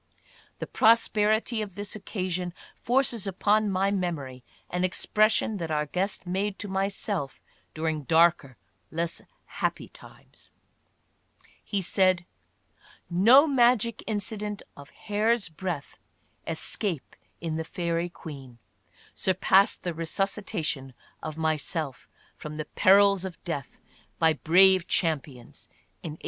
The prosperity of this occasion forces upon my memory an expression that our guest made to myself during darker, less happy times; he said — "no magic incident of hairsbreadth es cape in the ' Fairy Queen ' surpassed the resuscitation of my self from the perils of death by brave champions in 1876.